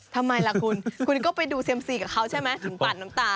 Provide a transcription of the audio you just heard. ทำไมล่ะคุณคุณก็ไปดูเซ็มซีกับเขาใช่ไหมถึงปั่นน้ำตา